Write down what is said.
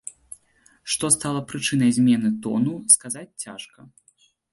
Што стала прычынай змены тону, сказаць цяжка.